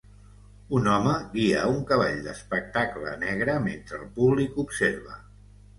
Un home guia un cavall d'espectacle negre mentre el públic observa.